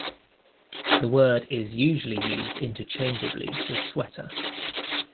The word is usually used interchangeably with sweater.